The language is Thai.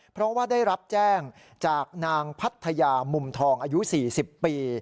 เพราะว่าได้รับแจ้งจากนางพัทยามุมทองอายุ๔๐ปี